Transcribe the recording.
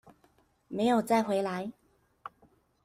沒有再回來